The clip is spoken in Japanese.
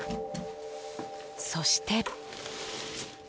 そして。